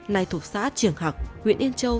nay thuộc xã triển hạc huyện yên châu